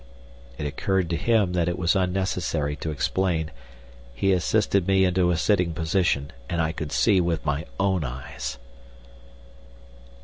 It occurred to him that it was unnecessary to explain. He assisted me into a sitting position, and I could see with my own eyes.